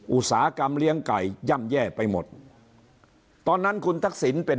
อุตสาหกรรมเลี้ยงไก่ย่ำแย่ไปหมดตอนนั้นคุณทักษิณเป็น